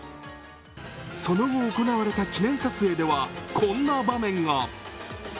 その後行われた記念撮影ではこんな場面が。